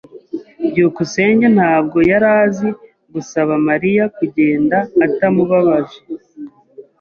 byukusenge ntabwo yari azi gusaba Mariya kugenda atamubabaje.